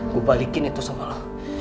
gue balikin itu sama lu